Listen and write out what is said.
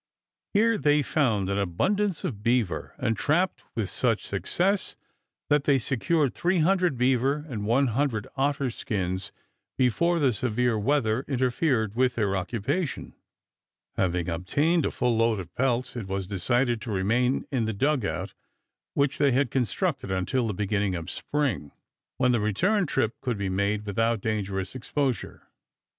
Here they found an abundance of beaver, and trapped with such success that they secured 300 beaver and 100 otter skins before the severe weather interfered with their occupation. Having obtained a full load of pelts it was decided to remain in the dug out which they had constructed until the beginning of spring, when the return trip could be made without dangerous exposure.